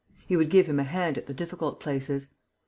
He would give him a hand at the difficult places.